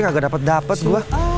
gak dapat dapat gua